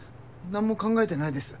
なんも考えてないです。